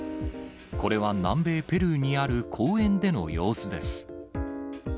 これは南米ペルーにある公園での様子です。